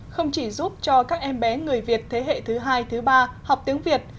không chỉ giúp cho các em bé người việt thế hệ thứ hai thứ ba học tiếng việt